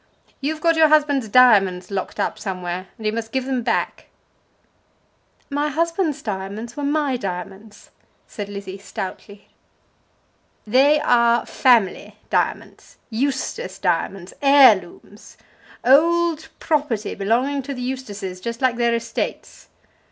You've got your husband's diamonds locked up somewhere, and you must give them back." "My husband's diamonds were my diamonds," said Lizzie stoutly. "They are family diamonds, Eustace diamonds, heirlooms, old property belonging to the Eustaces, just like their estates.